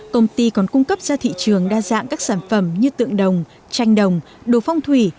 công ty còn cung cấp ra thị trường đa dạng các sản phẩm như tượng đồng tranh đồng đồ phong thủy